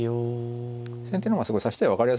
先手の方がすごい指し手は分かりやすいですよね。